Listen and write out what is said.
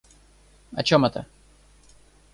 О чем это?